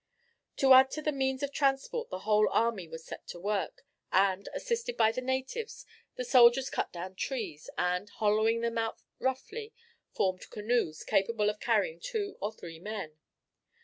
To add to the means of transport the whole army were set to work, and, assisted by the natives, the soldiers cut down trees, and, hollowing them out roughly, formed canoes capable of carrying two or three men.